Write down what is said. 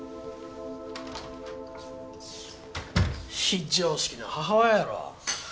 非常識な母親やろ。